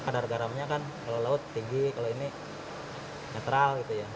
kadar garamnya kan kalau laut tinggi kalau ini netral gitu ya